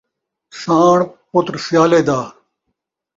ساݨ پتر سیالے دا